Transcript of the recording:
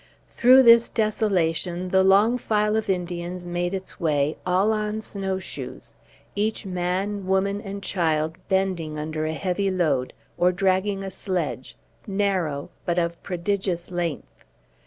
Through this desolation the long file of Indians made its way, all on snow shoes, each man, woman, and child bending under a heavy load, or dragging a sledge, narrow, but of prodigious length.